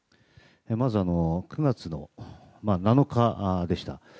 まず、９月の７日でした。